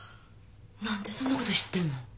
なんでそんなこと知ってんの？